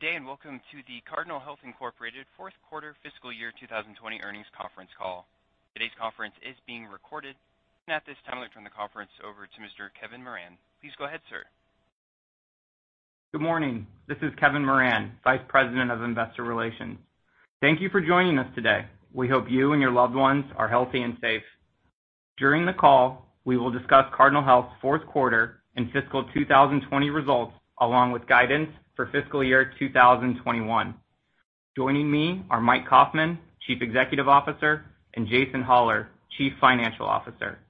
Good day, and welcome to the Cardinal Health Incorporated Fourth Quarter Fiscal Year 2020 Earnings Conference Call. Today's conference is being recorded. At this time, I'll turn the conference over to Mr. Kevin Moran. Please go ahead, sir. Good morning. This is Kevin Moran, Vice President of Investor Relations. Thank you for joining us today. We hope you and your loved ones are healthy and safe. During the call, we will discuss Cardinal Health's fourth quarter and fiscal 2020 results, along with guidance for fiscal year 2021. Joining me are Mike Kaufmann, Chief Executive Officer, and Jason Hollar, Chief Financial Officer.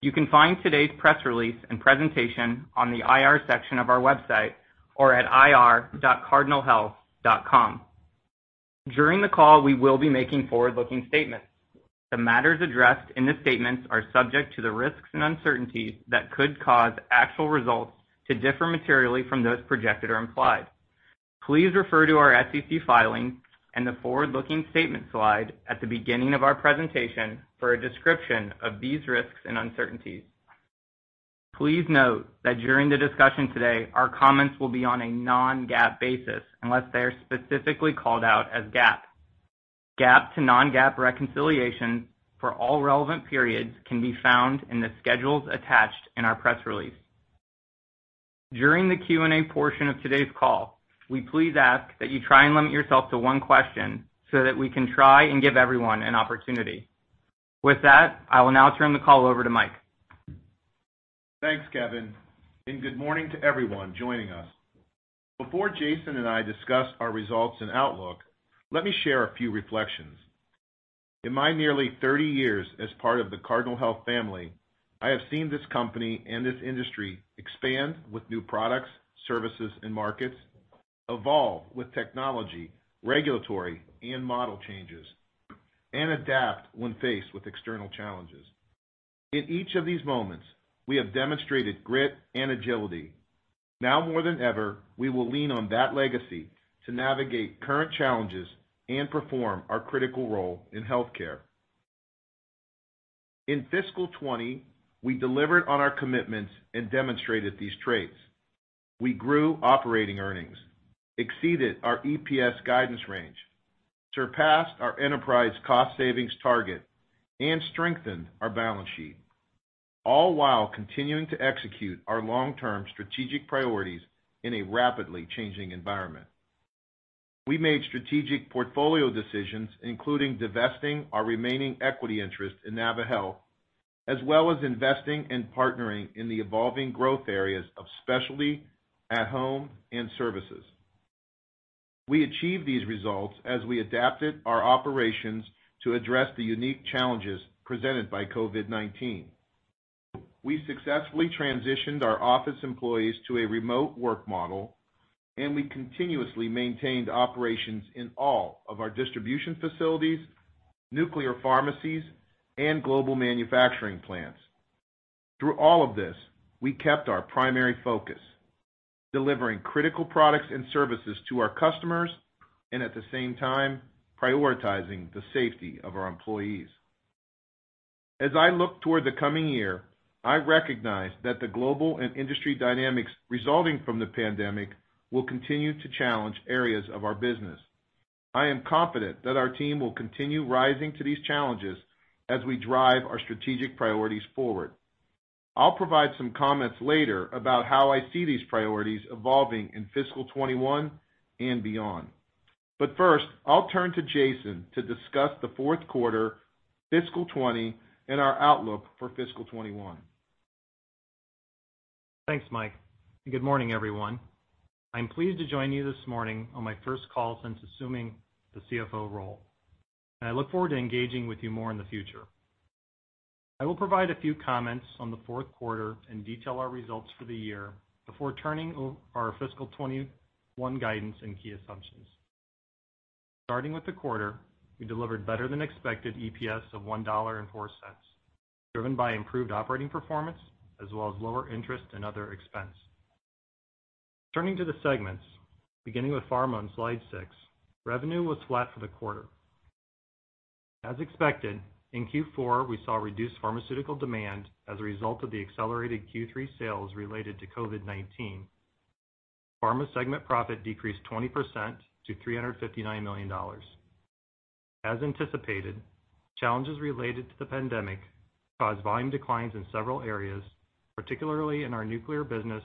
You can find today's press release and presentation on the IR section of our website, or at ir.cardinalhealth.com. During the call, we will be making forward-looking statements. The matters addressed in the statements are subject to the risks and uncertainties that could cause actual results to differ materially from those projected or implied. Please refer to our SEC filings and the forward-looking statement slide at the beginning of our presentation for a description of these risks and uncertainties. Please note that during the discussion today, our comments will be on a non-GAAP basis, unless they are specifically called out as GAAP. GAAP to non-GAAP reconciliation for all relevant periods can be found in the schedules attached in our press release. During the Q&A portion of today's call, we please ask that you try and limit yourself to one question so that we can try and give everyone an opportunity. With that, I will now turn the call over to Mike. Thanks, Kevin. Good morning to everyone joining us. Before Jason and I discuss our results and outlook, let me share a few reflections. In my nearly 30 years as part of the Cardinal Health family, I have seen this company and this industry expand with new products, services, and markets, evolve with technology, regulatory, and model changes, and adapt when faced with external challenges. In each of these moments, we have demonstrated grit and agility. Now more than ever, we will lean on that legacy to navigate current challenges and perform our critical role in healthcare. In fiscal 2020, we delivered on our commitments and demonstrated these traits. We grew operating earnings, exceeded our EPS guidance range, surpassed our enterprise cost savings target, and strengthened our balance sheet, all while continuing to execute our long-term strategic priorities in a rapidly changing environment. We made strategic portfolio decisions, including divesting our remaining equity interest in naviHealth, as well as investing and partnering in the evolving growth areas of specialty, at-home, and services. We achieved these results as we adapted our operations to address the unique challenges presented by COVID-19. We successfully transitioned our office employees to a remote work model, and we continuously maintained operations in all of our distribution facilities, nuclear pharmacies, and global manufacturing plants. Through all of this, we kept our primary focus, delivering critical products and services to our customers, and at the same time, prioritizing the safety of our employees. As I look toward the coming year, I recognize that the global and industry dynamics resulting from the pandemic will continue to challenge areas of our business. I am confident that our team will continue rising to these challenges as we drive our strategic priorities forward. I'll provide some comments later about how I see these priorities evolving in fiscal 2021 and beyond. First, I'll turn to Jason to discuss the fourth quarter, fiscal 2020, and our outlook for fiscal 2021. Thanks, Mike. Good morning, everyone. I'm pleased to join you this morning on my first call since assuming the CFO role. I look forward to engaging with you more in the future. I will provide a few comments on the fourth quarter and detail our results for the year before turning our fiscal 2021 guidance and key assumptions. Starting with the quarter, we delivered better-than-expected EPS of $1.04, driven by improved operating performance, as well as lower interest and other expense. Turning to the segments, beginning with Pharma on slide six, revenue was flat for the quarter. As expected, in Q4, we saw reduced pharmaceutical demand as a result of the accelerated Q3 sales related to COVID-19. Pharma segment profit decreased 20% to $359 million. As anticipated, challenges related to the pandemic caused volume declines in several areas, particularly in our nuclear business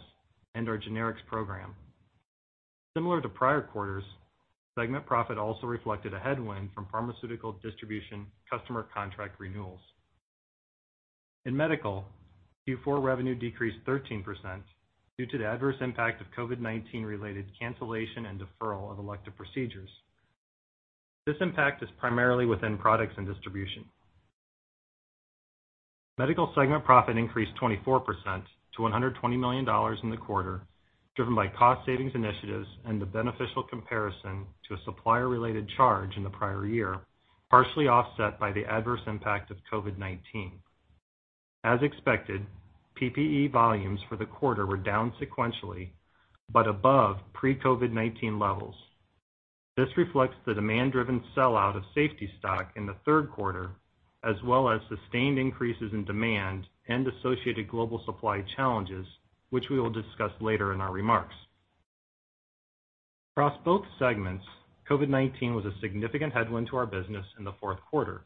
and our generics program. Similar to prior quarters, segment profit also reflected a headwind from pharmaceutical distribution customer contract renewals. In Medical, Q4 revenue decreased 13% due to the adverse impact of COVID-19 related cancellation and deferral of elective procedures. This impact is primarily within products and distribution. Medical segment profit increased 24% to $120 million in the quarter, driven by cost savings initiatives and the beneficial comparison to a supplier-related charge in the prior year, partially offset by the adverse impact of COVID-19. As expected, PPE volumes for the quarter were down sequentially, but above pre-COVID-19 levels. This reflects the demand-driven sellout of safety stock in the third quarter, as well as sustained increases in demand and associated global supply challenges, which we will discuss later in our remarks. Across both segments, COVID-19 was a significant headwind to our business in the fourth quarter.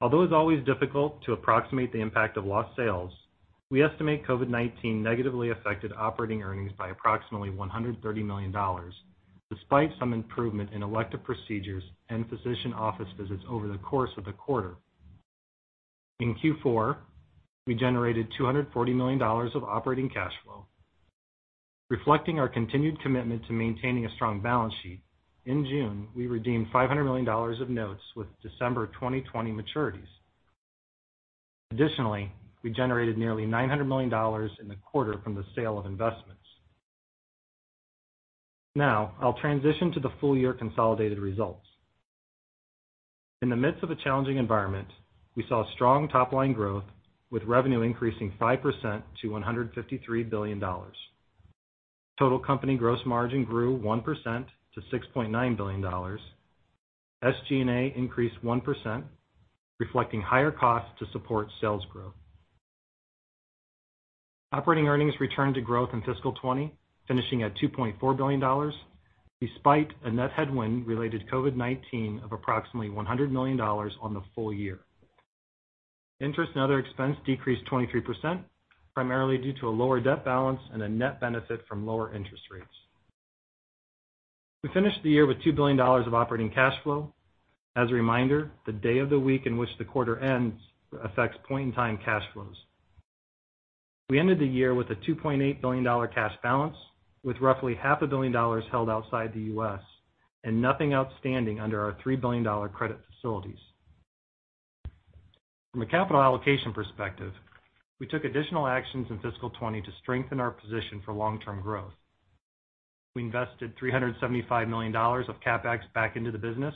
Although it's always difficult to approximate the impact of lost sales, we estimate COVID-19 negatively affected operating earnings by approximately $130 million, despite some improvement in elective procedures and physician office visits over the course of the quarter. In Q4, we generated $240 million of operating cash flow. Reflecting our continued commitment to maintaining a strong balance sheet, in June, we redeemed $500 million of notes with December 2020 maturities. Additionally, we generated nearly $900 million in the quarter from the sale of investments. Now, I'll transition to the full-year consolidated results. In the midst of a challenging environment, we saw strong top-line growth, with revenue increasing 5% to $153 billion. Total company gross margin grew 1% to $6.9 billion. SG&A increased 1%, reflecting higher costs to support sales growth. Operating earnings returned to growth in fiscal 2020, finishing at $2.4 billion, despite a net headwind related to COVID-19 of approximately $100 million on the full year. Interest and other expense decreased 23%, primarily due to a lower debt balance and a net benefit from lower interest rates. We finished the year with $2 billion of operating cash flow. As a reminder, the day of the week in which the quarter ends affects point-in-time cash flows. We ended the year with a $2.8 billion cash balance, with roughly $0.5 billion held outside the U.S. and nothing outstanding under our $3 billion credit facilities. From a capital allocation perspective, we took additional actions in fiscal 2020 to strengthen our position for long-term growth. We invested $375 million of CapEx back into the business,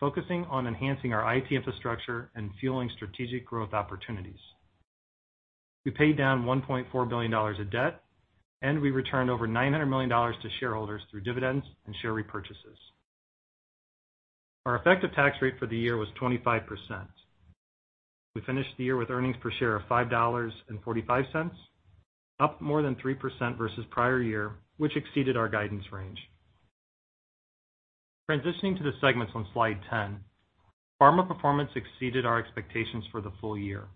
focusing on enhancing our IT infrastructure and fueling strategic growth opportunities. We paid down $1.4 billion of debt, and we returned over $900 million to shareholders through dividends and share repurchases. Our effective tax rate for the year was 25%. We finished the year with earnings per share of $5.45, up more than 3% versus prior year, which exceeded our guidance range. Transitioning to the segments on slide 10. Pharma performance exceeded our expectations for the full year.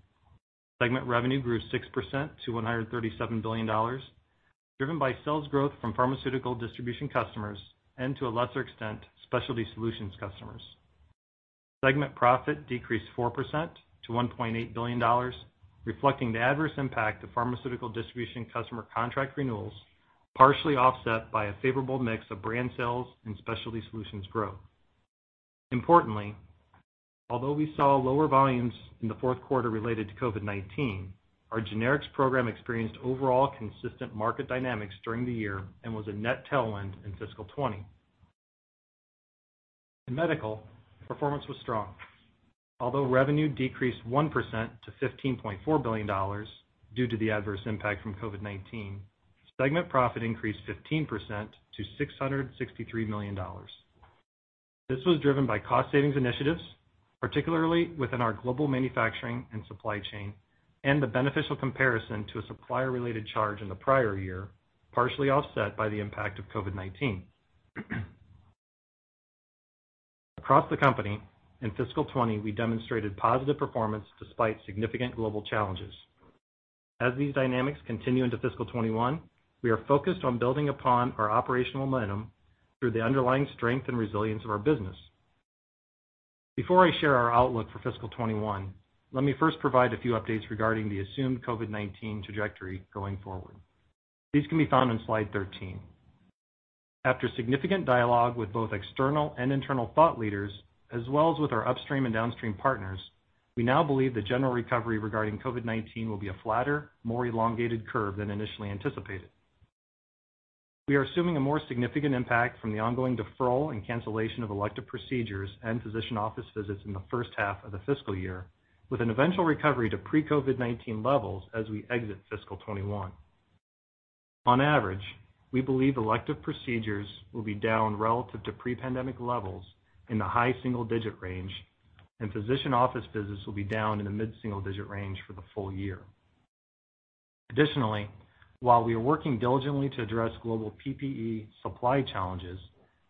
Segment revenue grew 6% to $137 billion, driven by sales growth from pharmaceutical distribution customers and, to a lesser extent, specialty solutions customers. Segment profit decreased 4% to $1.8 billion, reflecting the adverse impact of pharmaceutical distribution customer contract renewals, partially offset by a favorable mix of brand sales and specialty solutions growth. Importantly, although we saw lower volumes in the fourth quarter related to COVID-19, our generics program experienced overall consistent market dynamics during the year and was a net tailwind in fiscal 2020. In Medical, performance was strong. Although revenue decreased 1% to $15.4 billion due to the adverse impact from COVID-19, segment profit increased 15% to $663 million. This was driven by cost savings initiatives, particularly within our global manufacturing and supply chain, and the beneficial comparison to a supplier-related charge in the prior year, partially offset by the impact of COVID-19. Across the company, in fiscal 2020, we demonstrated positive performance despite significant global challenges. As these dynamics continue into fiscal 2021, we are focused on building upon our operational momentum through the underlying strength and resilience of our business. Before I share our outlook for fiscal 2021, let me first provide a few updates regarding the assumed COVID-19 trajectory going forward. These can be found on slide 13. After significant dialogue with both external and internal thought leaders, as well as with our upstream and downstream partners, we now believe the general recovery regarding COVID-19 will be a flatter, more elongated curve than initially anticipated. We are assuming a more significant impact from the ongoing deferral and cancellation of elective procedures and physician office visits in the first half of the fiscal year, with an eventual recovery to pre-COVID-19 levels as we exit fiscal 2021. On average, we believe elective procedures will be down relative to pre-pandemic levels in the high single-digit range, and physician office visits will be down in the mid-single-digit range for the full year. Additionally, while we are working diligently to address global PPE supply challenges,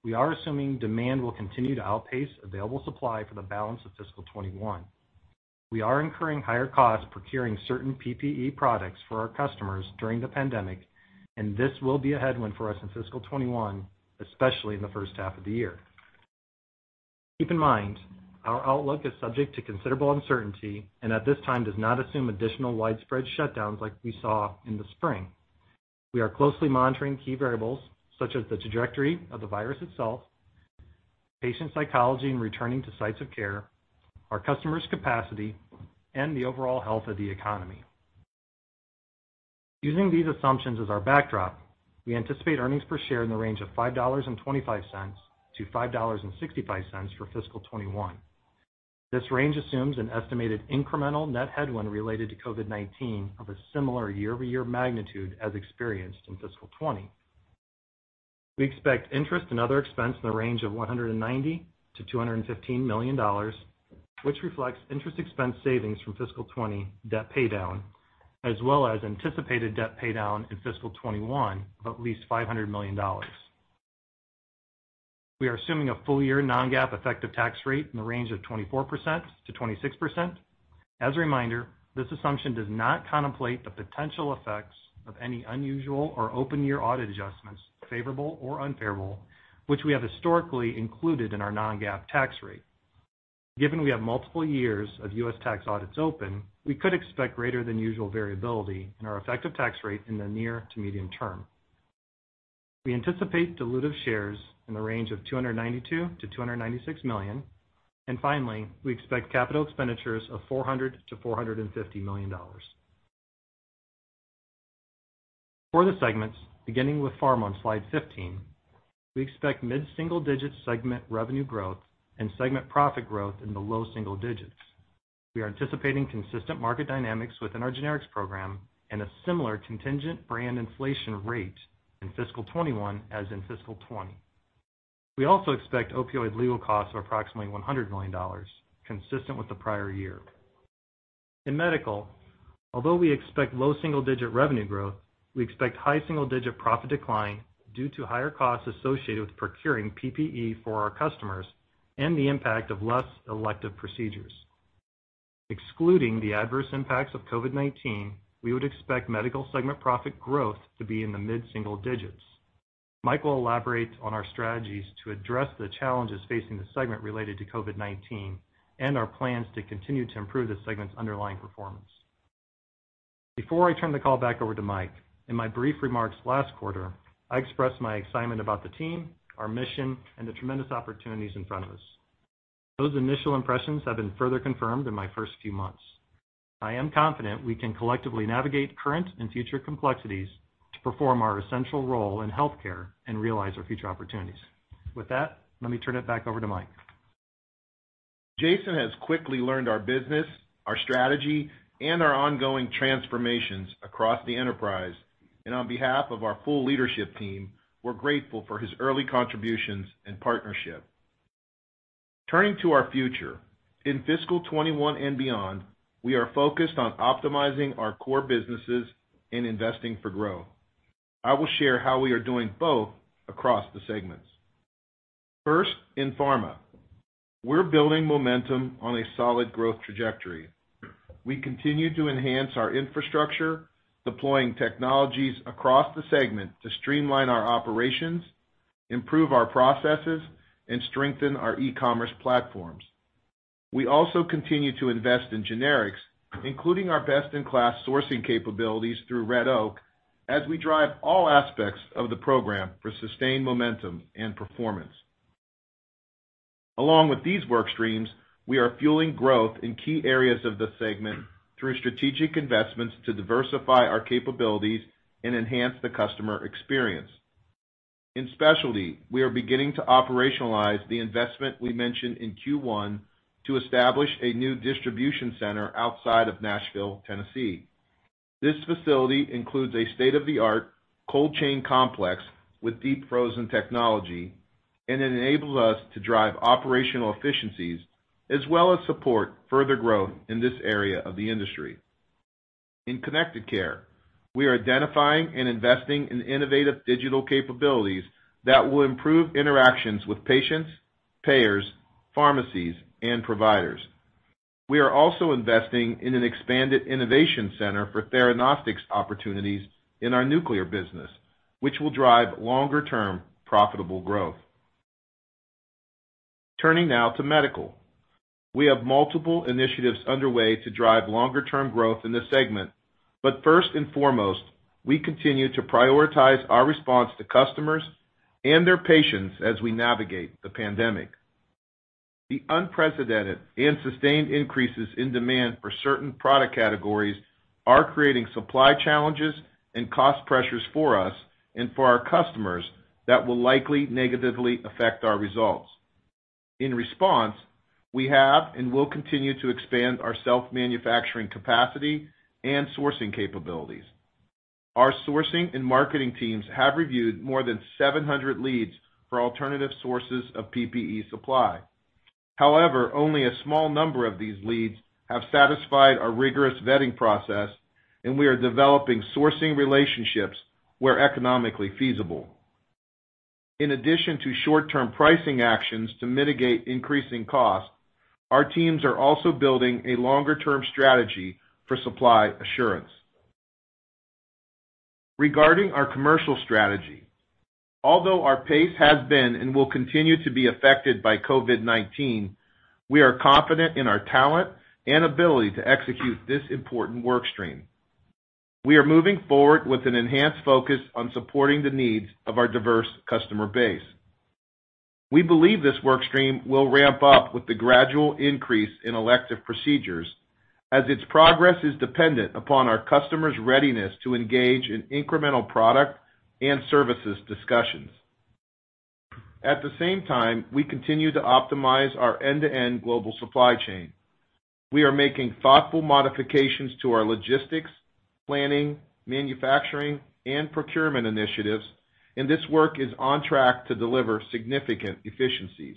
we are assuming demand will continue to outpace available supply for the balance of fiscal 2021. We are incurring higher costs procuring certain PPE products for our customers during the pandemic, and this will be a headwind for us in fiscal 2021, especially in the first half of the year. Keep in mind, our outlook is subject to considerable uncertainty, and at this time, does not assume additional widespread shutdowns like we saw in the spring. We are closely monitoring key variables, such as the trajectory of the virus itself, patient psychology in returning to sites of care, our customers' capacity, and the overall health of the economy. Using these assumptions as our backdrop, we anticipate earnings per share in the range of $5.25-$5.65 for fiscal 2021. This range assumes an estimated incremental net headwind related to COVID-19 of a similar year-over-year magnitude as experienced in fiscal 2020. We expect interest and other expense in the range of $190 million-$215 million, which reflects interest expense savings from fiscal 2020 debt paydown, as well as anticipated debt paydown in fiscal 2021 of at least $500 million. We are assuming a full-year non-GAAP effective tax rate in the range of 24%-26%. As a reminder, this assumption does not contemplate the potential effects of any unusual or open-year audit adjustments, favorable or unfavorable, which we have historically included in our non-GAAP tax rate. Given we have multiple years of U.S. tax audits open, we could expect greater than usual variability in our effective tax rate in the near to medium term. We anticipate dilutive shares in the range of 292 million-296 million. Finally, we expect capital expenditures of $400 million-$450 million. For the segments, beginning with Pharma on slide 15, we expect mid-single-digit segment revenue growth and segment profit growth in the low single digits. We are anticipating consistent market dynamics within our generics program and a similar contingent brand inflation rate in fiscal 2021 as in fiscal 2020. We also expect opioid legal costs of approximately $100 million, consistent with the prior year. In Medical, although we expect low single-digit revenue growth, we expect high single-digit profit decline due to higher costs associated with procuring PPE for our customers and the impact of less elective procedures. Excluding the adverse impacts of COVID-19, we would expect Medical segment profit growth to be in the mid-single digits. Mike will elaborate on our strategies to address the challenges facing the segment related to COVID-19 and our plans to continue to improve the segment's underlying performance. Before I turn the call back over to Mike, in my brief remarks last quarter, I expressed my excitement about the team, our mission, and the tremendous opportunities in front of us. Those initial impressions have been further confirmed in my first few months. I am confident we can collectively navigate current and future complexities to perform our essential role in healthcare and realize our future opportunities. With that, let me turn it back over to Mike. Jason has quickly learned our business, our strategy, and our ongoing transformations across the enterprise. On behalf of our full leadership team, we're grateful for his early contributions and partnership. Turning to our future, in fiscal 2021 and beyond, we are focused on optimizing our core businesses and investing for growth. I will share how we are doing both across the segments. First, in Pharma. We're building momentum on a solid growth trajectory. We continue to enhance our infrastructure, deploying technologies across the segment to streamline our operations, improve our processes, and strengthen our e-commerce platforms. We also continue to invest in generics, including our best-in-class sourcing capabilities through Red Oak, as we drive all aspects of the program for sustained momentum and performance. Along with these work streams, we are fueling growth in key areas of the segment through strategic investments to diversify our capabilities and enhance the customer experience. In Specialty, we are beginning to operationalize the investment we mentioned in Q1 to establish a new distribution center outside of Nashville, Tennessee. This facility includes a state-of-the-art cold chain complex with deep frozen technology, and it enables us to drive operational efficiencies as well as support further growth in this area of the industry. In Connected Care, we are identifying and investing in innovative digital capabilities that will improve interactions with patients, payers, pharmacies, and providers. We are also investing in an expanded innovation center for theranostics opportunities in our nuclear business, which will drive longer-term profitable growth. Turning now to Medical. We have multiple initiatives underway to drive longer-term growth in this segment, but first and foremost, we continue to prioritize our response to customers and their patients as we navigate the pandemic. The unprecedented and sustained increases in demand for certain product categories are creating supply challenges and cost pressures for us and for our customers that will likely negatively affect our results. In response, we have and will continue to expand our self-manufacturing capacity and sourcing capabilities. Our sourcing and marketing teams have reviewed more than 700 leads for alternative sources of PPE supply. However, only a small number of these leads have satisfied our rigorous vetting process, and we are developing sourcing relationships where economically feasible. In addition to short-term pricing actions to mitigate increasing costs, our teams are also building a longer-term strategy for supply assurance. Regarding our commercial strategy, although our pace has been and will continue to be affected by COVID-19, we are confident in our talent and ability to execute this important work stream. We are moving forward with an enhanced focus on supporting the needs of our diverse customer base. We believe this work stream will ramp up with the gradual increase in elective procedures, as its progress is dependent upon our customers' readiness to engage in incremental product and services discussions. At the same time, we continue to optimize our end-to-end global supply chain. We are making thoughtful modifications to our logistics, planning, manufacturing, and procurement initiatives, and this work is on track to deliver significant efficiencies.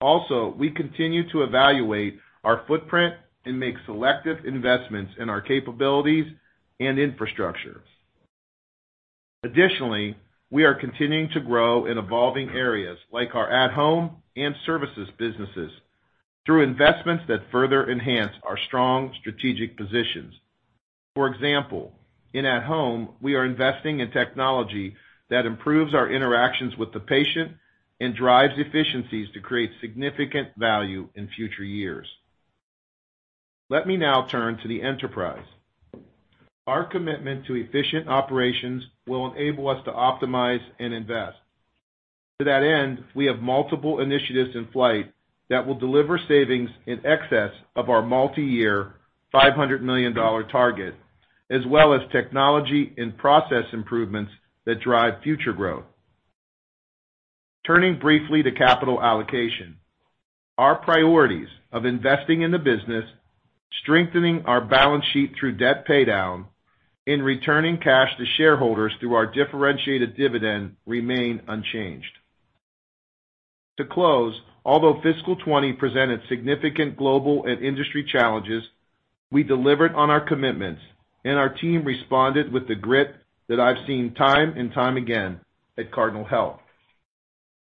Also, we continue to evaluate our footprint and make selective investments in our capabilities and infrastructure. Additionally, we are continuing to grow in evolving areas like our at-Home and services businesses through investments that further enhance our strong strategic positions. For example, in at-Home, we are investing in technology that improves our interactions with the patient and drives efficiencies to create significant value in future years. Let me now turn to the enterprise. Our commitment to efficient operations will enable us to optimize and invest. To that end, we have multiple initiatives in flight that will deliver savings in excess of our multi-year $500 million target, as well as technology and process improvements that drive future growth. Turning briefly to capital allocation. Our priorities of investing in the business, strengthening our balance sheet through debt paydown, and returning cash to shareholders through our differentiated dividend remain unchanged. To close, although fiscal 2020 presented significant global and industry challenges, we delivered on our commitments, and our team responded with the grit that I've seen time and time again at Cardinal Health.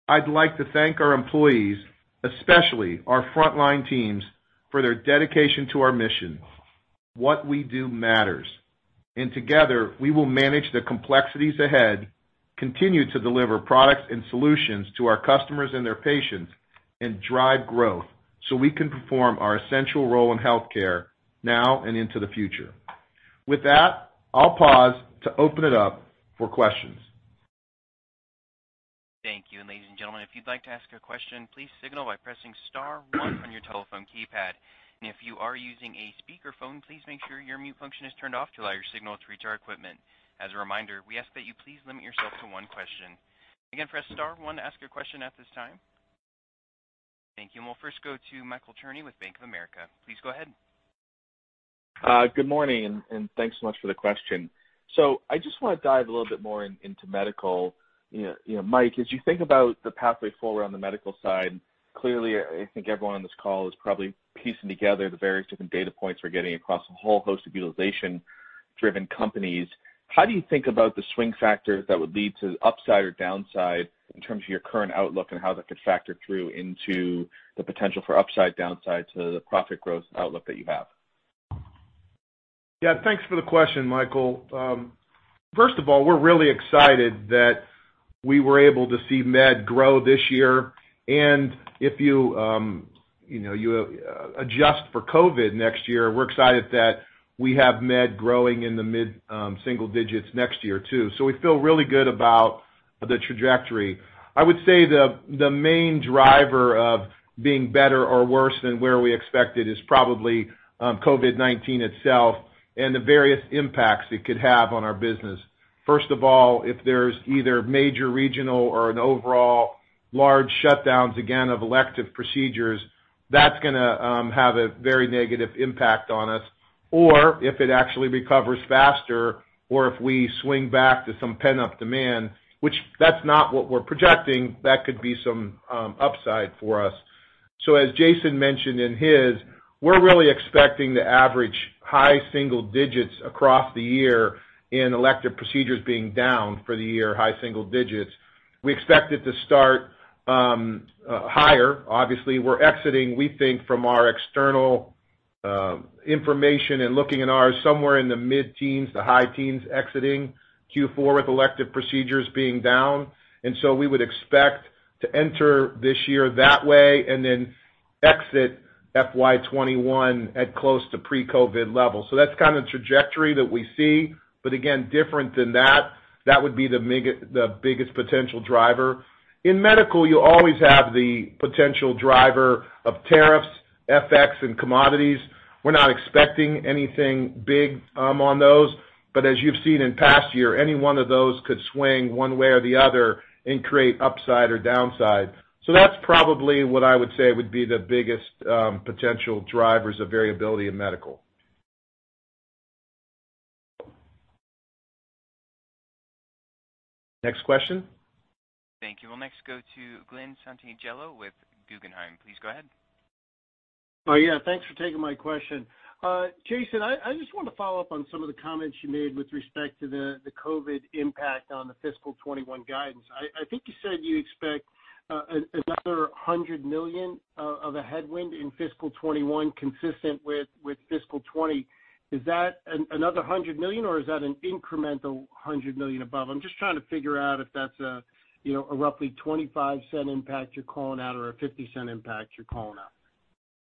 I'd like to thank our employees, especially our frontline teams, for their dedication to our mission. What we do matters, and together, we will manage the complexities ahead, continue to deliver products and solutions to our customers and their patients, and drive growth so we can perform our essential role in healthcare now and into the future. With that, I'll pause to open it up for questions. Thank you. Ladies and gentlemen, if you'd like to ask a question, please signal by pressing star one on your telephone keypad. If you are using a speakerphone, please make sure your mute function is turned off to allow your signal to reach our equipment. As a reminder, we ask that you please limit yourself to one question. Again, press star one to ask your question at this time. Thank you. We'll first go to Michael Cherny with Bank of America. Please go ahead. Good morning, and thanks so much for the question. I just want to dive a little bit more into medical. Mike, as you think about the pathway forward on the medical side, clearly, I think everyone on this call is probably piecing together the various different data points we're getting across a whole host of utilization-driven companies. How do you think about the swing factor that would lead to upside or downside in terms of your current outlook, and how that could factor through into the potential for upside downside to the profit growth outlook that you have? Thanks for the question, Michael. First of all, we're really excited that we were able to see med grow this year, and if you adjust for COVID next year, we're excited that we have med growing in the mid-single digits next year, too. We feel really good about the trajectory. I would say the main driver of being better or worse than where we expected is probably COVID-19 itself and the various impacts it could have on our business. First of all, if there's either major regional or an overall large shutdowns, again, of elective procedures, that's going to have a very negative impact on us. If it actually recovers faster, or if we swing back to some pent-up demand, which that's not what we're projecting, that could be some upside for us. As Jason mentioned in his, we're really expecting to average high single digits across the year in elective procedures being down for the year high single digits. We expect it to start higher. Obviously, we're exiting, we think, from our external information and looking in our somewhere in the mid-teens to high teens exiting Q4 with elective procedures being down. We would expect to enter this year that way and then exit FY 2021 at close to pre-COVID-19 levels. That's kind of the trajectory that we see. Again, different than that would be the biggest potential driver. In medical, you always have the potential driver of tariffs, FX, and commodities. We're not expecting anything big on those, but as you've seen in past year, any one of those could swing one way or the other and create upside or downside. That's probably what I would say would be the biggest potential drivers of variability in medical. Next question. Thank you. We'll next go to Glen Santangelo with Guggenheim. Please go ahead. Yeah. Thanks for taking my question. Jason, I just wanted to follow up on some of the comments you made with respect to the COVID impact on the fiscal 2021 guidance. I think you said you expect another $100 million of a headwind in fiscal 2021 consistent with fiscal 2020. Is that another $100 million, or is that an incremental $100 million above? I'm just trying to figure out if that's a roughly $0.25 impact you're calling out or a $0.50 impact you're calling out.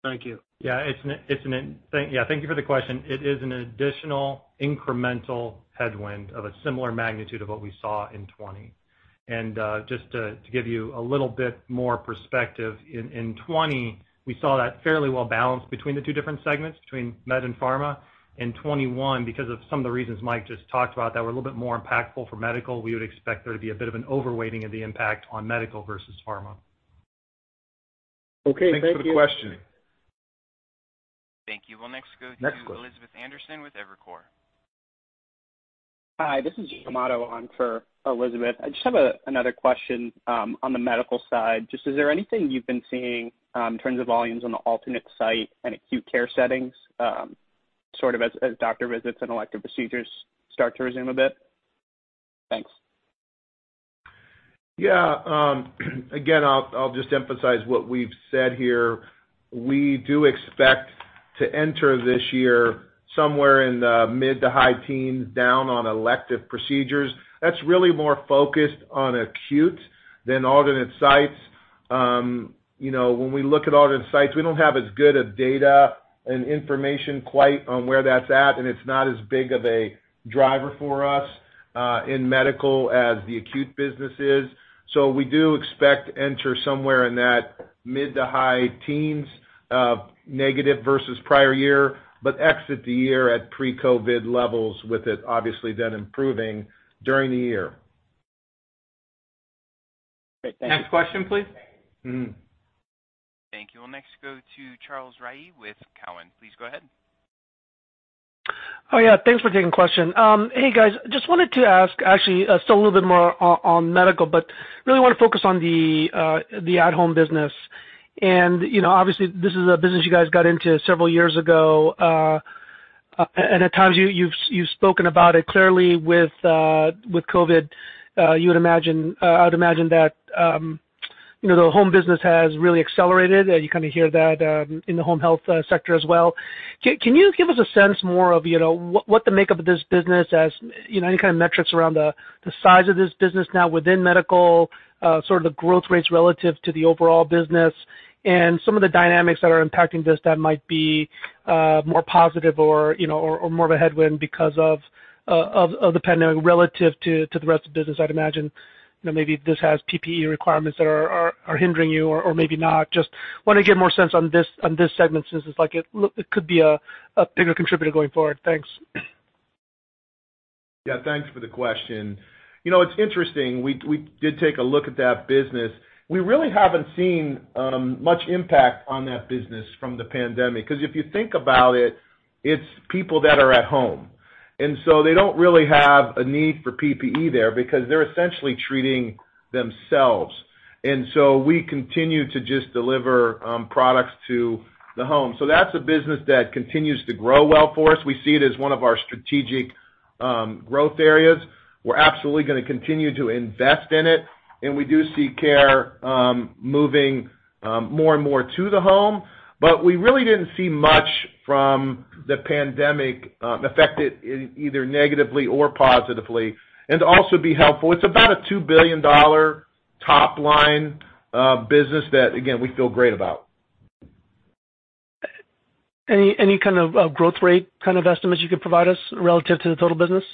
Thank you. Yeah. Thank you for the question. It is an additional incremental headwind of a similar magnitude of what we saw in 2020. Just to give you a little bit more perspective, in 2020, we saw that fairly well balanced between the two different segments, between med and pharma. In 2021, because of some of the reasons Mike just talked about that were a little bit more impactful for medical, we would expect there to be a bit of an overweighting of the impact on medical versus pharma. Okay, thank you. Thanks for the question. Thank you. We'll next go to Elizabeth Anderson with Evercore. Hi, this is [Jim Otto] on for Elizabeth. I just have another question on the medical side. Just is there anything you've been seeing in terms of volumes on the alternate site and acute care settings, sort of as doctor visits and elective procedures start to resume a bit? Thanks. Again, I'll just emphasize what we've said here. We do expect to enter this year somewhere in the mid to high teens down on elective procedures. That's really more focused on acute than alternate sites. When we look at alternate sites, we don't have as good of data and information quite on where that's at, and it's not as big of a driver for us in medical as the acute business is. We do expect to enter somewhere in that mid to high teens of negative versus prior year, but exit the year at pre-COVID levels with it obviously then improving during the year. Great. Thanks. Next question, please. Thank you. We'll next go to Charles Rhyee with Cowen. Please go ahead. Oh, yeah. Thanks for taking question. Hey, guys. Just wanted to ask actually still a little bit more on Medical. Really want to focus on the at-Home business. Obviously this is a business you guys got into several years ago. At times you've spoken about it clearly with COVID. I would imagine that the home business has really accelerated, and you kind of hear that in the home health sector as well. Can you give us a sense more of what the makeup of this business is, any kind of metrics around the size of this business now within Medical, sort of the growth rates relative to the overall business, and some of the dynamics that are impacting this that might be more positive or more of a headwind because of the pandemic relative to the rest of the business? I'd imagine maybe this has PPE requirements that are hindering you, or maybe not. Just want to get more sense on this segment, since it could be a bigger contributor going forward. Thanks. Yeah. Thanks for the question. It's interesting, we did take a look at that business. We really haven't seen much impact on that business from the pandemic, because if you think about it's people that are at home, and so they don't really have a need for PPE there because they're essentially treating themselves. We continue to just deliver products to the home. That's a business that continues to grow well for us. We see it as one of our strategic growth areas. We're absolutely going to continue to invest in it, and we do see care moving more and more to the home. We really didn't see much from the pandemic affect it either negatively or positively. It'd be helpful, it's about a $2 billion top-line business that again, we feel great about. Any kind of growth rate kind of estimates you could provide us relative to the total business?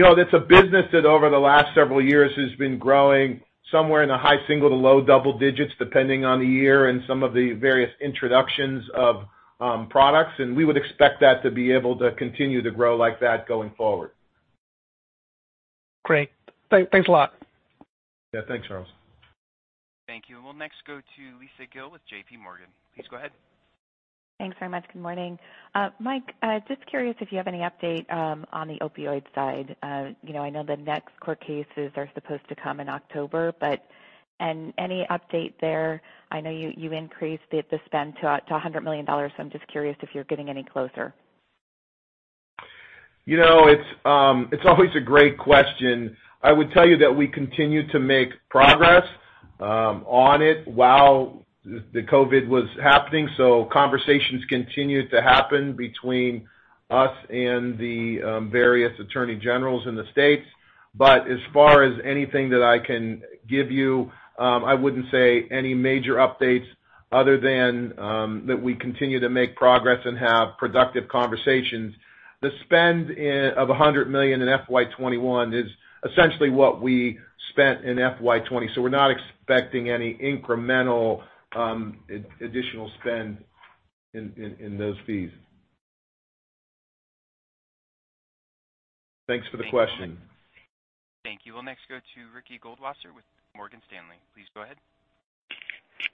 It's a business that over the last several years has been growing somewhere in the high single to low double digits, depending on the year and some of the various introductions of products, and we would expect that to be able to continue to grow like that going forward. Great. Thanks a lot. Yeah. Thanks, Charles. Thank you. We'll next go to Lisa Gill with JPMorgan. Please go ahead. Thanks very much. Good morning. Mike, just curious if you have any update on the opioid side. I know the next court cases are supposed to come in October. Any update there? I know you increased the spend to $100 million. I'm just curious if you're getting any closer. It's always a great question. I would tell you that we continue to make progress on it while the COVID was happening, so conversations continued to happen between us and the various attorney generals in the States. As far as anything that I can give you, I wouldn't say any major updates other than that we continue to make progress and have productive conversations. The spend of $100 million in FY 2021 is essentially what we spent in FY 2020, so we're not expecting any incremental additional spend in those fees. Thanks for the question. Thank you. We'll next go to Ricky Goldwasser with Morgan Stanley. Please go ahead.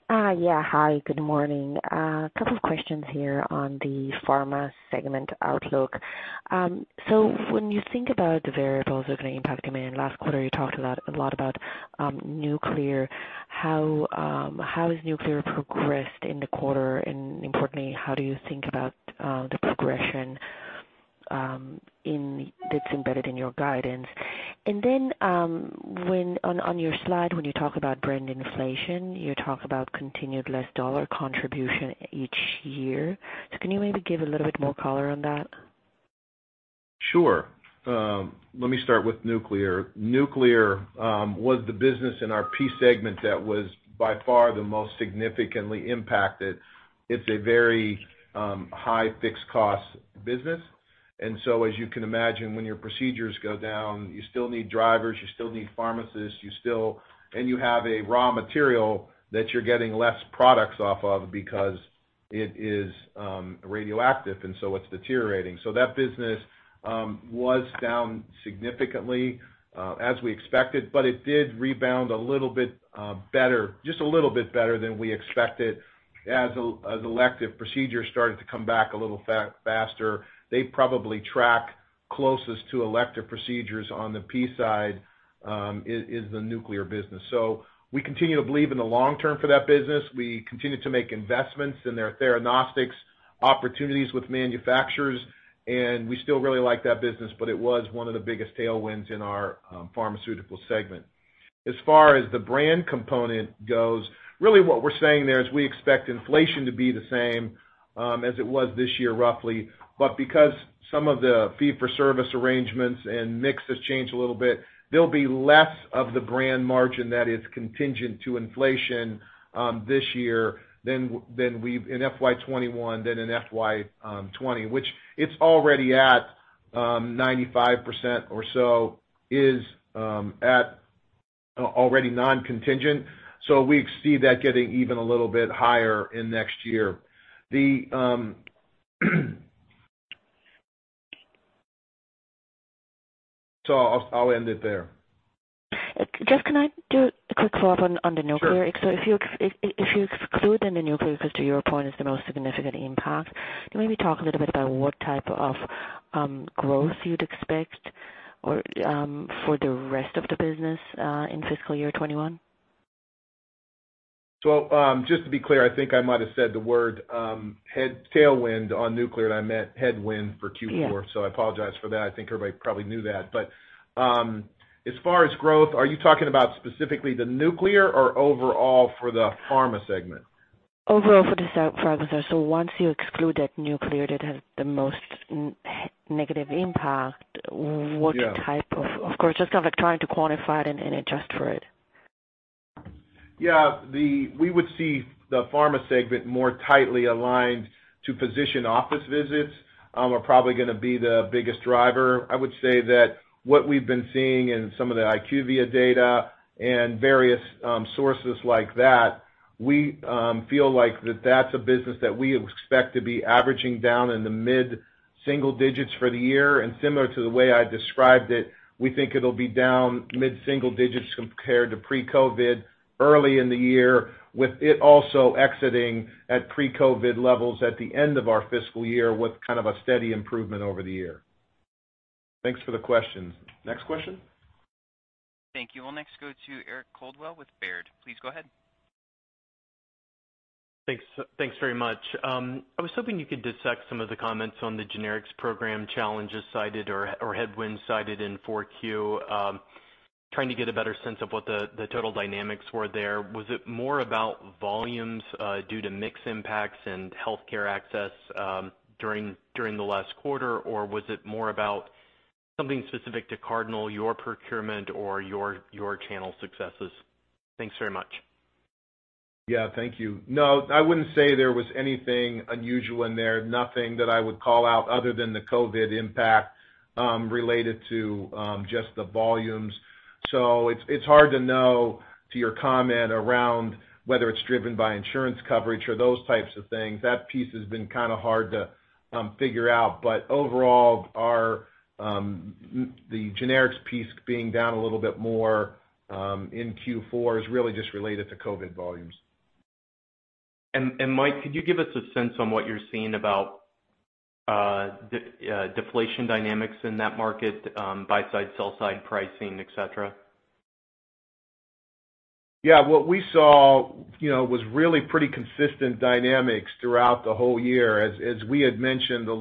Yeah. Hi, good morning. A couple of questions here on the pharma segment outlook. When you think about the variables that are going to impact demand, last quarter you talked a lot about nuclear. How has nuclear progressed in the quarter, and importantly, how do you think about the progression that's embedded in your guidance? Then, on your slide, when you talk about brand inflation, you talk about continued less dollar contribution each year. Can you maybe give a little bit more color on that? Sure. Let me start with nuclear. Nuclear was the business in our P segment that was by far the most significantly impacted. It's a very high fixed cost business, and so as you can imagine, when your procedures go down, you still need drivers, you still need pharmacists, you still and you have a raw material that you're getting less products off of because it is radioactive, and so it's deteriorating. That business was down significantly as we expected, but it did rebound a little bit better, just a little bit better than we expected as elective procedures started to come back a little faster. They probably track closest to elective procedures on the P side is the nuclear business. We continue to believe in the long term for that business. We continue to make investments in their theranostics opportunities with manufacturers, and we still really like that business, but it was one of the biggest tailwinds in our pharmaceutical segment. As far as the brand component goes, really what we're saying there is we expect inflation to be the same as it was this year, roughly. Because some of the fee-for-service arrangements and mix has changed a little bit, there'll be less of the brand margin that is contingent to inflation this year than in FY 2021 than in FY 2020, which it's already at 95% or so is at already non-contingent. We see that getting even a little bit higher in next year. I'll end it there. Just can I do a quick follow-up on the nuclear? Sure. If you exclude then the nuclear, because to your point, it's the most significant impact, can you maybe talk a little bit about what type of growth you'd expect for the rest of the business in fiscal year 2021? Just to be clear, I think I might have said the word tailwind on nuclear, and I meant headwind for Q4. Yeah. I apologize for that. I think everybody probably knew that. As far as growth, are you talking about specifically the nuclear or overall for the pharma segment? Overall for the pharma. Once you exclude that nuclear that has the most negative impact. Yeah. What type of growth? Just kind of trying to quantify it and adjust for it. Yeah. We would see the pharma segment more tightly aligned to physician office visits, are probably going to be the biggest driver. I would say that what we've been seeing in some of the IQVIA data and various sources like that, we feel like that that's a business that we expect to be averaging down in the mid-single digits for the year. Similar to the way I described it, we think it'll be down mid-single digits compared to pre-COVID early in the year, with it also exiting at pre-COVID levels at the end of our fiscal year with kind of a steady improvement over the year. Thanks for the question. Next question. Thank you. We'll next go to Eric Coldwell with Baird. Please go ahead. Thanks very much. I was hoping you could dissect some of the comments on the generics program challenges cited or headwinds cited in 4Q. Trying to get a better sense of what the total dynamics were there. Was it more about volumes due to mix impacts and healthcare access during the last quarter, or was it more about something specific to Cardinal, your procurement or your channel successes? Thanks very much. Yeah, thank you. No, I wouldn't say there was anything unusual in there, nothing that I would call out other than the COVID impact, related to just the volumes. It's hard to know to your comment around whether it's driven by insurance coverage or those types of things. That piece has been kind of hard to figure out. Overall, the generics piece being down a little bit more, in Q4, is really just related to COVID volumes. Mike, could you give us a sense on what you're seeing about deflation dynamics in that market, buy-side, sell-side pricing, et cetera? What we saw was really pretty consistent dynamics throughout the whole year. As we had mentioned a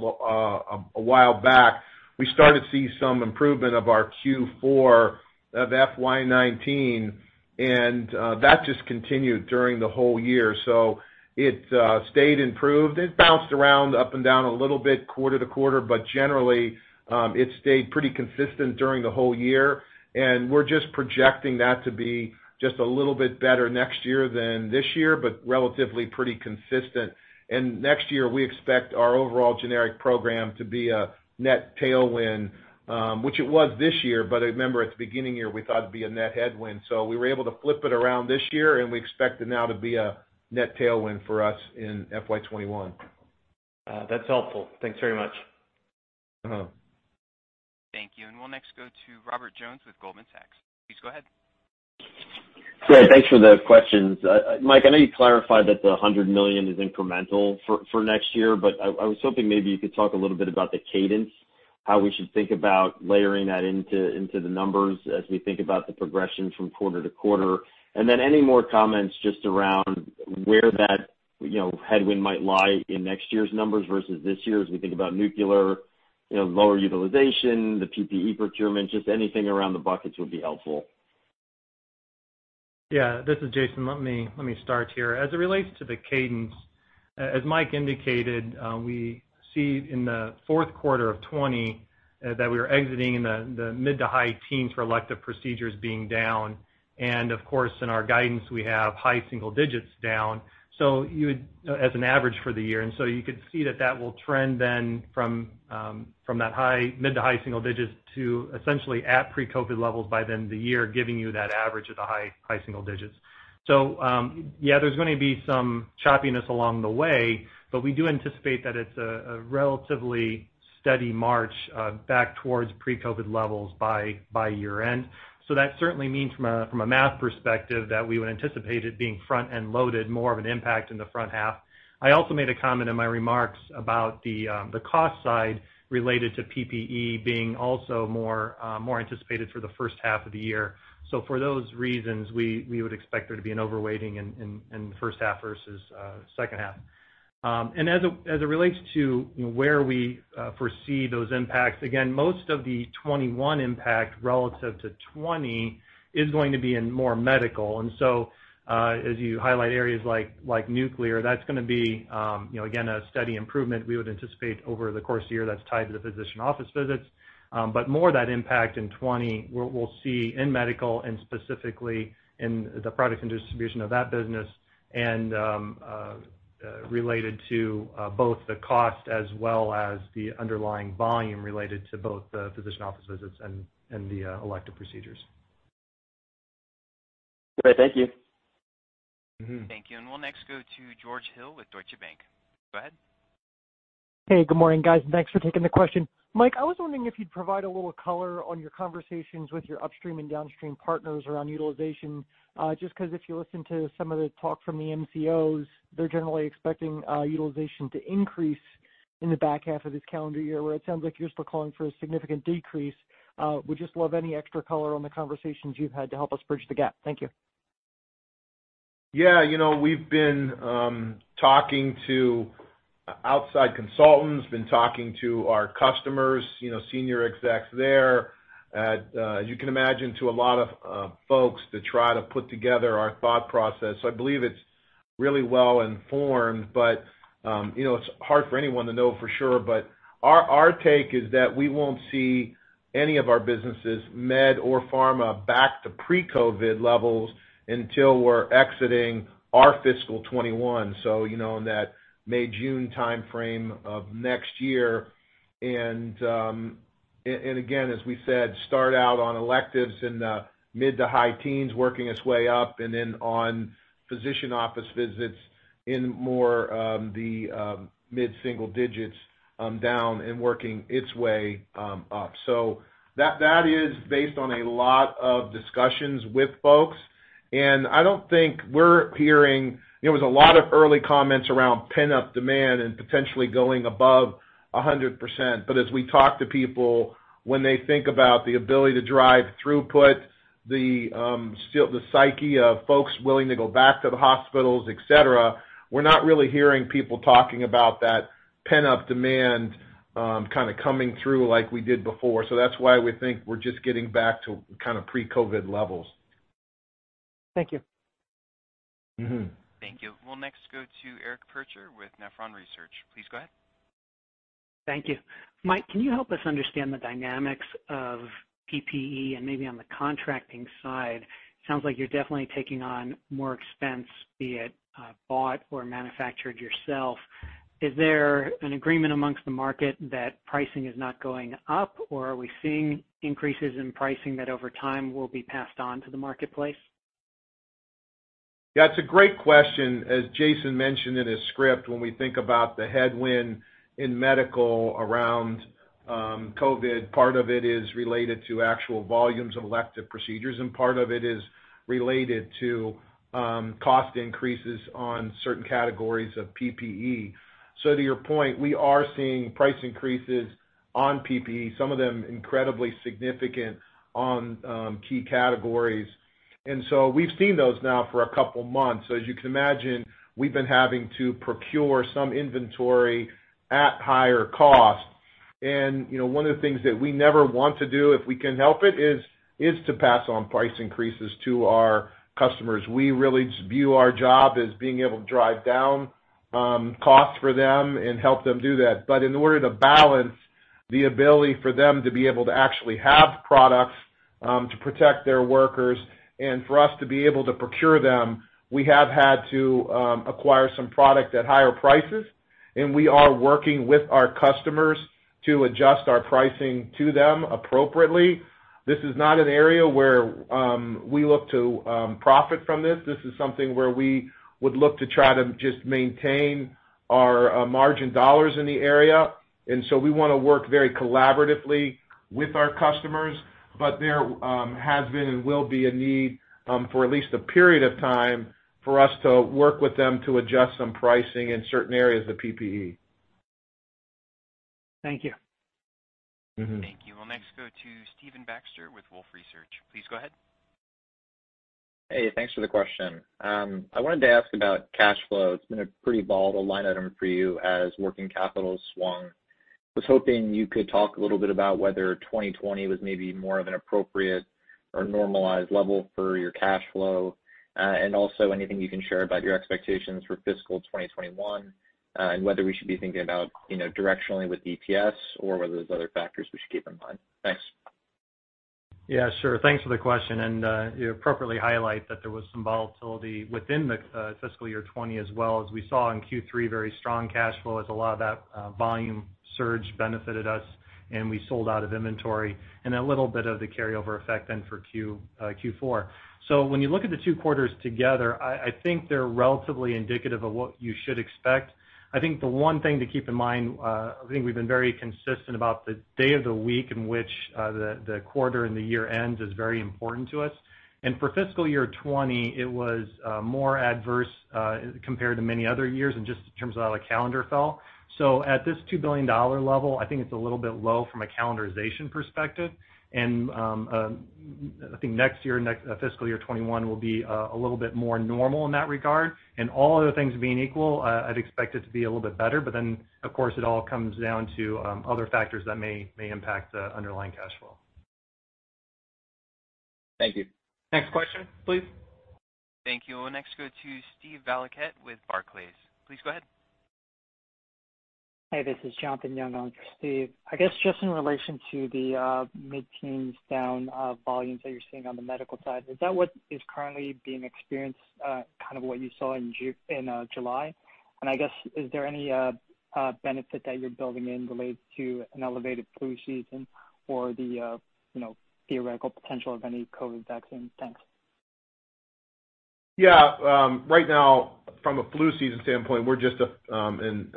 while back, we started to see some improvement of our Q4 of FY 2019. That just continued during the whole year. It stayed improved. It bounced around up and down a little bit quarter to quarter, but generally, it stayed pretty consistent during the whole year. We're just projecting that to be just a little bit better next year than this year, but relatively pretty consistent. Next year, we expect our overall generic program to be a net tailwind, which it was this year. Remember, at the beginning of the year, we thought it'd be a net headwind. We were able to flip it around this year. We expect it now to be a net tailwind for us in FY 2021. That's helpful. Thanks very much. Thank you. We'll next go to Robert Jones with Goldman Sachs. Please go ahead. Great. Thanks for the questions. Mike, I know you clarified that the $100 million is incremental for next year. I was hoping maybe you could talk a little bit about the cadence, how we should think about layering that into the numbers as we think about the progression from quarter-to-quarter, and then any more comments just around where that headwind might lie in next year's numbers versus this year's. We think about nuclear, lower utilization, the PPE procurement, just anything around the buckets would be helpful. Yeah. This is Jason. Let me start here. As it relates to the cadence. As Mike indicated, we see in the fourth quarter of 2020 that we were exiting the mid-to-high teens for elective procedures being down. Of course, in our guidance, we have high single digits down as an average for the year. You could see that will trend from that mid-to-high single digits to essentially at pre-COVID levels by the year, giving you that average of the high single digits. Yeah, there's going to be some choppiness along the way, but we do anticipate that it's a relatively steady march back towards pre-COVID levels by year-end. That certainly means from a math perspective, that we would anticipate it being front-end loaded, more of an impact in the front half. I also made a comment in my remarks about the cost side related to PPE being also more anticipated for the first half of the year. For those reasons, we would expect there to be an overweighting in the first half versus second half. As it relates to where we foresee those impacts, again, most of the 2021 impact relative to 2020 is going to be in more medical. As you highlight areas like nuclear, that's going to be, again, a steady improvement we would anticipate over the course of the year that's tied to the physician office visits. More of that impact in 2020, we'll see in medical and specifically in the product and distribution of that business and related to both the cost as well as the underlying volume related to both the physician office visits and the elective procedures. Okay, thank you. Thank you. We'll next go to George Hill with Deutsche Bank. Go ahead. Hey, good morning, guys. Thanks for taking the question. Mike, I was wondering if you'd provide a little color on your conversations with your upstream and downstream partners around utilization. Just because if you listen to some of the talk from the MCOs, they're generally expecting utilization to increase in the back half of this calendar year, where it sounds like you're still calling for a significant decrease. Would just love any extra color on the conversations you've had to help us bridge the gap. Thank you. Yeah. We've been talking to outside consultants, been talking to our customers, senior execs there. As you can imagine, to a lot of folks to try to put together our thought process. I believe it's really well informed, but it's hard for anyone to know for sure. Our take is that we won't see any of our businesses, med or pharma, back to pre-COVID levels until we're exiting our fiscal 2021, so in that May, June timeframe of next year. Again, as we said, start out on electives in the mid to high teens, working its way up, and then on physician office visits in more of the mid-single digits down and working its way up. That is based on a lot of discussions with folks. There was a lot of early comments around pent-up demand and potentially going above 100%. As we talk to people, when they think about the ability to drive throughput, the psyche of folks willing to go back to the hospitals, et cetera, we're not really hearing people talking about that pent-up demand coming through like we did before. That's why we think we're just getting back to pre-COVID levels. Thank you. Thank you. We'll next go to Eric Percher with Nephron Research. Please go ahead. Thank you. Mike, can you help us understand the dynamics of PPE and maybe on the contracting side? It sounds like you're definitely taking on more expense, be it bought or manufactured yourself. Is there an agreement amongst the market that pricing is not going up, or are we seeing increases in pricing that over time will be passed on to the marketplace? Yeah, it's a great question. As Jason mentioned in his script, when we think about the headwind in medical around COVID, part of it is related to actual volumes of elective procedures, and part of it is related to cost increases on certain categories of PPE. To your point, we are seeing price increases on PPE, some of them incredibly significant on key categories. We've seen those now for a couple of months. As you can imagine, we've been having to procure some inventory at higher cost. One of the things that we never want to do, if we can help it, is to pass on price increases to our customers. We really view our job as being able to drive down costs for them and help them do that. In order to balance the ability for them to be able to actually have products to protect their workers and for us to be able to procure them, we have had to acquire some product at higher prices, and we are working with our customers to adjust our pricing to them appropriately. This is not an area where we look to profit from this. This is something where we would look to try to just maintain our margin dollars in the area, and so we want to work very collaboratively with our customers. There has been and will be a need, for at least a period of time, for us to work with them to adjust some pricing in certain areas of PPE. Thank you. Thank you. We'll next go to Stephen Baxter with Wolfe Research. Please go ahead. Hey, thanks for the question. I wanted to ask about cash flow. It's been a pretty volatile line item for you as working capital swung. I was hoping you could talk a little bit about whether 2020 was maybe more of an appropriate or normalized level for your cash flow. Also anything you can share about your expectations for fiscal 2021, and whether we should be thinking about directionally with EPS or whether there's other factors we should keep in mind. Thanks. Yeah, sure. Thanks for the question. You appropriately highlight that there was some volatility within the fiscal year 2020 as well, as we saw in Q3, very strong cash flow, as a lot of that volume surge benefited us, and we sold out of inventory, and a little bit of the carryover effect then for Q4. When you look at the two quarters together, I think they're relatively indicative of what you should expect. I think the one thing to keep in mind, I think we've been very consistent about the day of the week in which the quarter and the year ends is very important to us. For fiscal year 2020, it was more adverse compared to many other years and just in terms of how the calendar fell. At this $2 billion level, I think it's a little bit low from a calendarization perspective. I think next year, fiscal year 2021, will be a little bit more normal in that regard, and all other things being equal, I'd expect it to be a little bit better. Of course, it all comes down to other factors that may impact underlying cash flow. Thank you. Next question, please. Thank you. We'll next go to Steven Valiquette with Barclays. Please go ahead. Hi, this is Jonathan Yong on for Steve. I guess just in relation to the mid-teens down volumes that you're seeing on the medical side, is that what is currently being experienced, kind of what you saw in July? I guess, is there any benefit that you're building in related to an elevated flu season or the theoretical potential of any COVID vaccine? Thanks. Yeah. Right now, from a flu season standpoint, we're just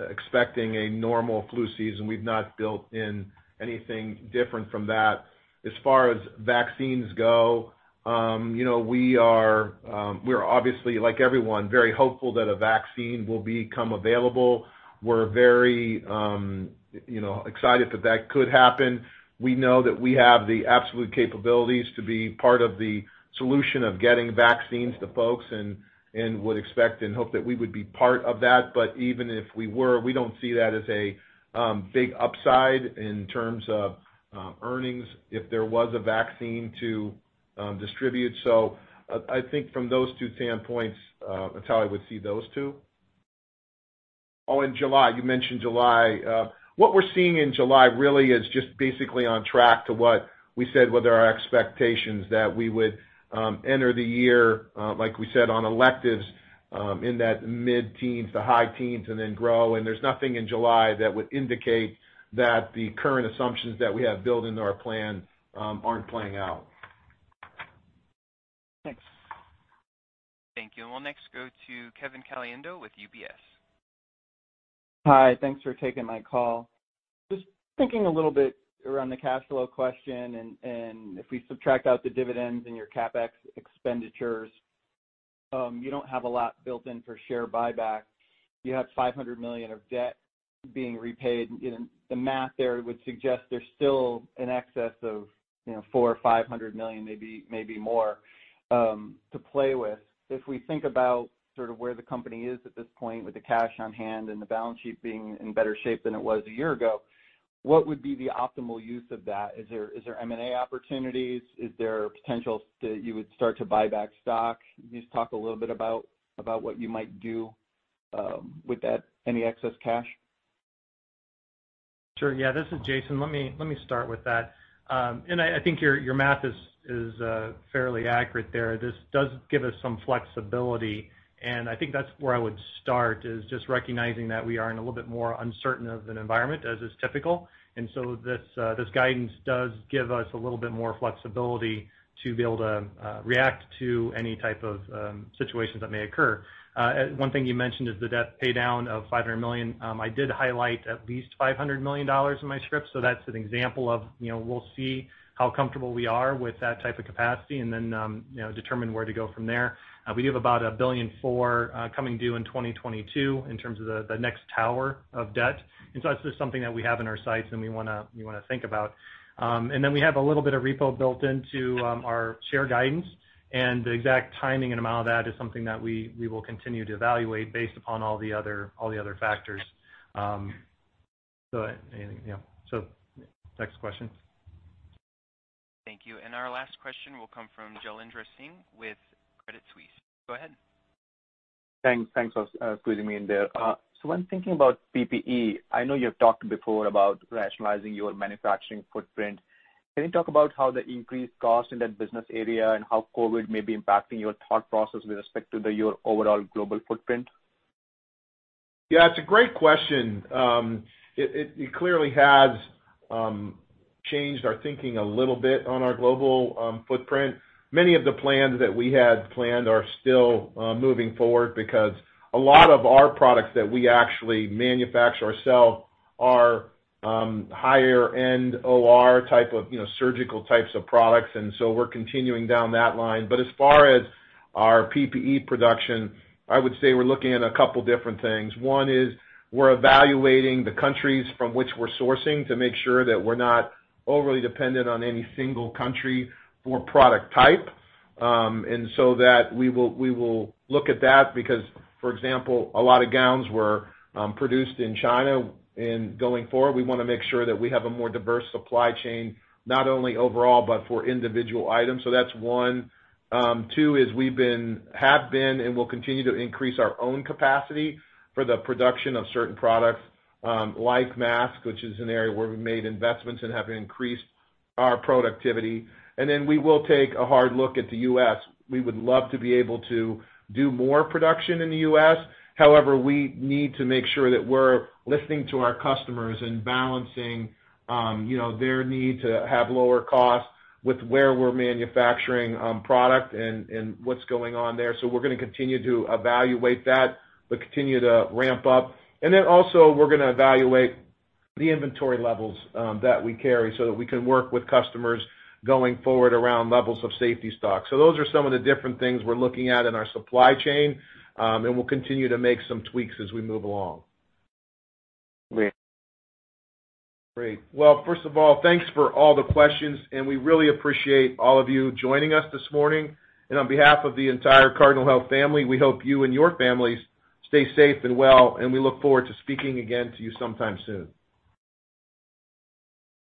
expecting a normal flu season. We've not built in anything different from that. As far as vaccines go, we're obviously, like everyone, very hopeful that a vaccine will become available. We're very excited that that could happen. We know that we have the absolute capabilities to be part of the solution of getting vaccines to folks, and would expect and hope that we would be part of that. Even if we were, we don't see that as a big upside in terms of earnings if there was a vaccine to distribute. I think from those two standpoints, that's how I would see those two. Oh, in July, you mentioned July. What we're seeing in July really is just basically on track to what we said were our expectations, that we would enter the year, like we said, on electives, in that mid-teens to high teens, and then grow. There's nothing in July that would indicate that the current assumptions that we have built into our plan aren't playing out. Thanks. Thank you. We'll next go to Kevin Caliendo with UBS. Hi. Thanks for taking my call. Just thinking a little bit around the cash flow question, if we subtract out the dividends and your CapEx expenditures, you don't have a lot built in for share buyback. You have $500 million of debt being repaid. The math there would suggest there's still an excess of $400 million or $500 million, maybe more, to play with. If we think about sort of where the company is at this point with the cash on hand and the balance sheet being in better shape than it was a year ago, what would be the optimal use of that? Is there M&A opportunities? Is there potential that you would start to buy back stock? Can you just talk a little bit about what you might do with any excess cash? Sure, yeah. This is Jason. Let me start with that. I think your math is fairly accurate there. This does give us some flexibility, and I think that's where I would start, is just recognizing that we are in a little bit more uncertain of an environment as is typical. This guidance does give us a little bit more flexibility to be able to react to any type of situations that may occur. One thing you mentioned is the debt paydown of $500 million. I did highlight at least $500 million in my script, so that's an example of, we'll see how comfortable we are with that type of capacity and then determine where to go from there. We have about $1.4 billion coming due in 2022 in terms of the next tower of debt. That's just something that we have in our sights and we want to think about. Then we have a little bit of repo built into our share guidance, and the exact timing and amount of that is something that we will continue to evaluate based upon all the other factors. Next question. Thank you. Our last question will come from Jailendra Singh with Credit Suisse. Go ahead. Thanks for squeezing me in there. When thinking about PPE, I know you've talked before about rationalizing your manufacturing footprint. Can you talk about how the increased cost in that business area and how COVID may be impacting your thought process with respect to your overall global footprint? Yeah, it's a great question. It clearly has changed our thinking a little bit on our global footprint. Many of the plans that we had planned are still moving forward because a lot of our products that we actually manufacture ourselves are higher-end OR type of surgical types of products, and so we're continuing down that line. As far as our PPE production, I would say we're looking at a couple different things. One is we're evaluating the countries from which we're sourcing to make sure that we're not overly dependent on any single country or product type. That we will look at that because, for example, a lot of gowns were produced in China, and going forward, we want to make sure that we have a more diverse supply chain, not only overall, but for individual items. That's one. Two is we have been and will continue to increase our own capacity for the production of certain products, like masks, which is an area where we made investments and have increased our productivity. We will take a hard look at the U.S. We would love to be able to do more production in the U.S. However, we need to make sure that we're listening to our customers and balancing their need to have lower costs with where we're manufacturing product and what's going on there. We're going to continue to evaluate that, but continue to ramp up. Also, we're going to evaluate the inventory levels that we carry so that we can work with customers going forward around levels of safety stock. Those are some of the different things we're looking at in our supply chain, and we'll continue to make some tweaks as we move along. Great. Great. Well, first of all, thanks for all the questions, and we really appreciate all of you joining us this morning. On behalf of the entire Cardinal Health family, we hope you and your families stay safe and well, and we look forward to speaking again to you sometime soon.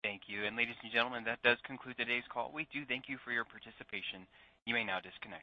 Thank you. Ladies and gentlemen, that does conclude today's call. We do thank you for your participation. You may now disconnect.